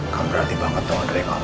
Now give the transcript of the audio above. kamu berarti banget doa dari kamu